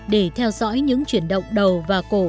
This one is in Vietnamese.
để theo dõi những chuyển động đầu và cổ